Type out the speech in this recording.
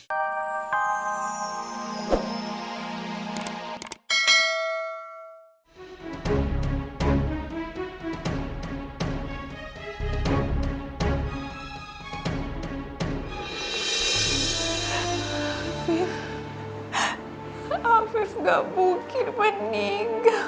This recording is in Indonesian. abim abim gak mungkin meninggal